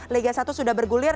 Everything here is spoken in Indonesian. liga satu sudah bergulir